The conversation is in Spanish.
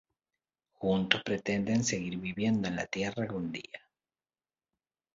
Juntos pretenden seguir viviendo en la Tierra algún día.